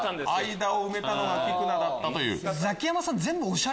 間を埋めたのが菊名だったという。